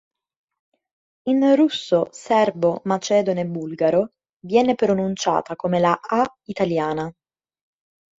In russo, serbo, macedone e bulgaro viene pronunciata come la A italiana.